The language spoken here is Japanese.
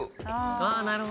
ああなるほど。